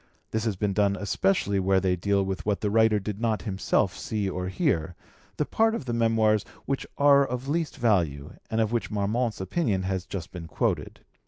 This has been done especially where they deal with what the writer did not himself see or hear, the part of the Memoirs which are of least value and of which Marmont's opinion has just been quoted.